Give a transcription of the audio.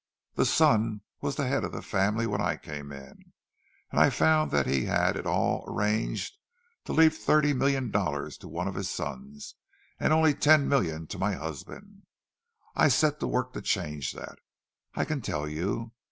The son was the head of the family when I came in; and I found that he had it all arranged to leave thirty million dollars to one of his sons, and only ten million to my husband. I set to work to change that, I can tell you.